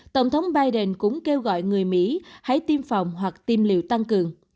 tổng thống biden cũng kêu gọi người mỹ hãy tiêm phòng hoặc tiêm liều tăng cường